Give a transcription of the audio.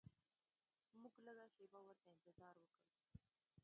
موږ لږه شیبه ورته انتظار وکړ.